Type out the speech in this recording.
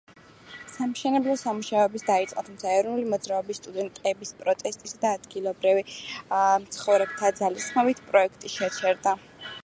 სამშენებლო სამუშაოებიც დაიწყო, თუმცა ეროვნული მოძრაობის, სტუდენტების პროტესტის და ადგილობრივი მცხოვრებთა ძალისხმევით პროექტი შეჩერდა.